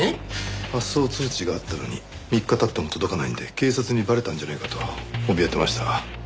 発送通知があったのに３日経っても届かないんで警察にバレたんじゃないかとおびえてました。